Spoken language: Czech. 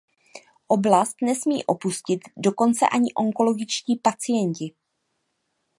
Oblast nesmí opustit dokonce ani onkologičtí pacienti.